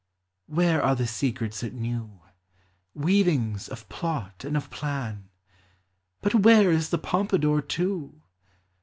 Where are the secrets it knew ? Weavings of plot and of plan ?— But where is the Pompadour, too